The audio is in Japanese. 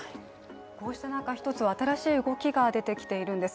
こうした中、１つ新しい動きが出ているんです。